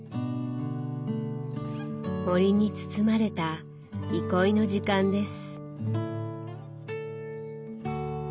森に包まれた憩いの時間です。